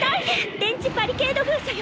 電磁バリケード封鎖よ！